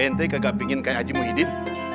ente gak pengen kayak haji muhyiddin